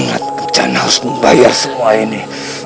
ingat rencana harus membayar semua ini